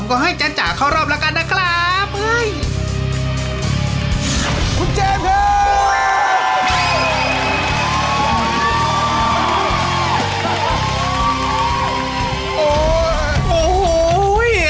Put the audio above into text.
ขอให้โชคดี